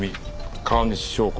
川西祥子。